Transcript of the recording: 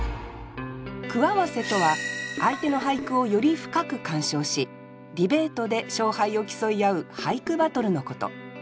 句合わせとは相手の俳句をより深く鑑賞しディベートで勝敗を競い合う俳句バトルのこと。